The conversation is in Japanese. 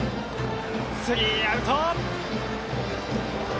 スリーアウト。